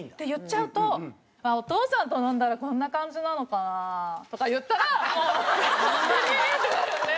「お父さんと飲んだらこんな感じなのかな」とか言ったらもうデレレってなるんで。